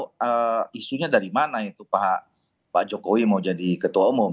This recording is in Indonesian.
itu isunya dari mana itu pak jokowi mau jadi ketua umum